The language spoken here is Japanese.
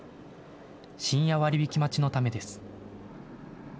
深夜割引待ちのためです。